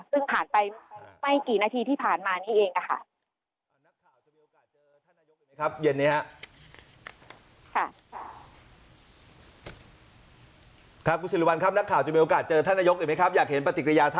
ซึ่งผ่านไปไม่กี่นาทีที่ผ่านมานี้เองค่ะ